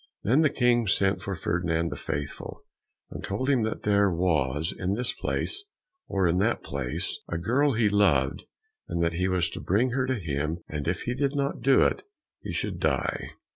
Then the King sent for Ferdinand the Faithful, and told him that there was, in this place or in that place, a girl he loved, and that he was to bring her to him, and if he did not do it he should die.